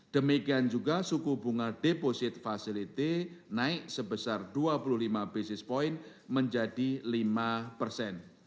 demikian juga suku bunga deposit facility naik sebesar dua puluh lima basis point menjadi lima persen